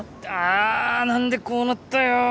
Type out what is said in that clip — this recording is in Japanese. あ何でこうなったよ！